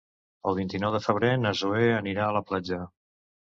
El vint-i-nou de febrer na Zoè anirà a la platja.